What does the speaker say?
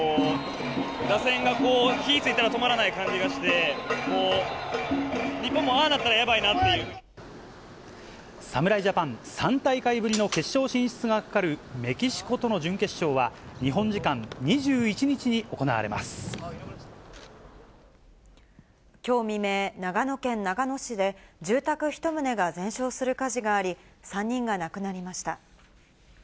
打線が火ついたら止まらない感じがして、侍ジャパン、３大会ぶりの決勝進出がかかるメキシコとの準決勝は、日本時間きょう未明、長野県長野市で、住宅１棟が全焼する火事があり、３人が亡くなりました。